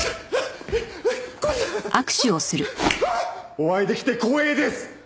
お会いできて光栄です！